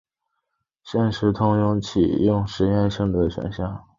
现时通过启用实验性的选项。